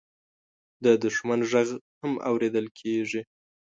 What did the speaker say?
د دښمن غږ هم اورېدل کېږي.